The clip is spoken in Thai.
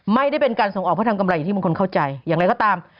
ไม่ได้เป็นการส่งออกเพราะทำกำไรอย่างที่บางคนเข้าใจอย่างไรก็ตาม